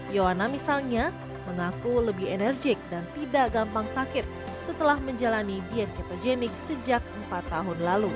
yowana misalnya mengaku lebih enerjik dan tidak gampang sakit setelah menjalani diet kepogenik sejak empat tahun lalu